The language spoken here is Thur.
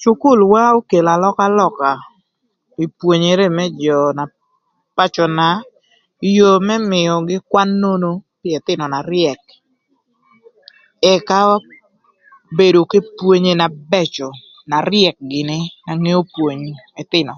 Cukulwa okelo alökalöka ï pwonyere më jöna pacöna ï yoo më mïögï kwan nono pï ëthïnö na ryëk ëka bedo k'epwonye na bëcö na ryëk gïnï na ngeo pwonyo ëthïnö.